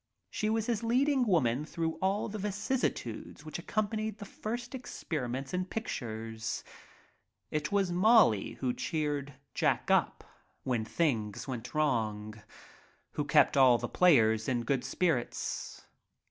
She was his leading woman through all the vicissitudes which accompanied the experiments in pictures. It was Molly who cheered Jack up when things went wrong, who kept all the players in good spirits.